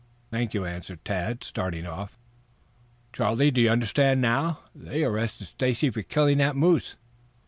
"Thank you," answered Tad, starting off. "Charlie, do you understand now? They arrested Stacy for killing that moose.